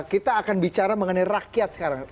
kita akan bicara mengenai rakyat sekarang